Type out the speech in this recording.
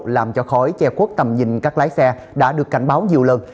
làm cho khói che khuất tầm nhìn các lái xe đã được cảnh báo nhiều lần